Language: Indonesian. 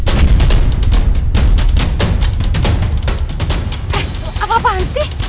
eh apa apaan sih